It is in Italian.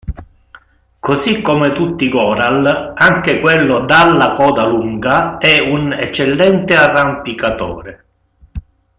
Così come tutti i goral, anche quello dalla coda lunga è un eccellente arrampicatore.